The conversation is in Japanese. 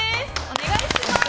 お願いします。